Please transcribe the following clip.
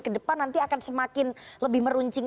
ke depan nanti akan semakin lebih meruncing